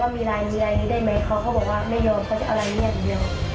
มีรายนี้ได้ไหมเขาบอกว่าไม่ยอมเขาจะเอารายนี้อย่างเดียว